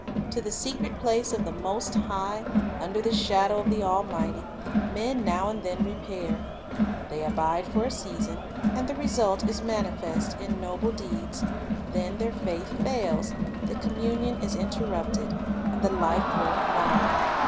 To the secret place of the Most High, under the shadow of the Almighty, men now and then repair; they abide for a season, and the result is manifest in noble deeds; then their faith fails, the communion is interrupted, and the life work marred.